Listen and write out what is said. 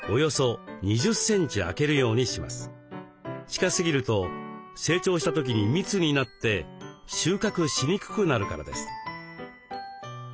近すぎると成長した時に密になって収穫しにくくなるからです。